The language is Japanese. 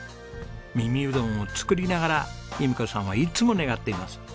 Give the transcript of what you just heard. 耳うどんを作りながら由美子さんはいつも願っています。